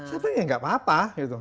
sebenarnya nggak apa apa gitu